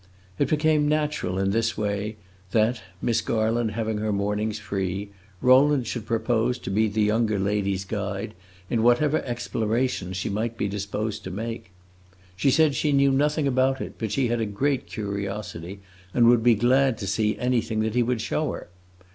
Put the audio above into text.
It became natural in this way that, Miss Garland having her mornings free, Rowland should propose to be the younger lady's guide in whatever explorations she might be disposed to make. She said she knew nothing about it, but she had a great curiosity, and would be glad to see anything that he would show her.